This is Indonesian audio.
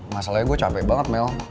masalahnya gue capek banget mel